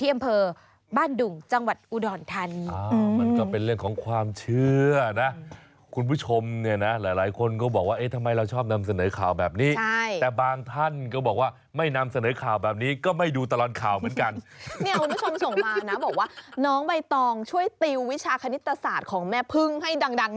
อยู่ใกล้กับเกาะคำชโน้นนี่แหละ